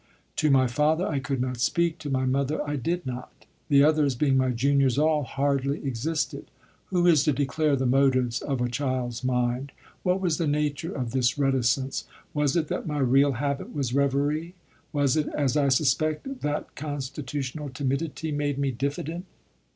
To my father I could not speak, to my mother I did not; the others, being my juniors all, hardly existed. Who is to declare the motives of a child's mind? What was the nature of this reticence? Was it that my real habit was reverie? Was it, as I suspect, that constitutional timidity made me diffident?